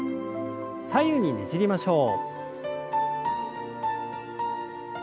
左右にねじりましょう。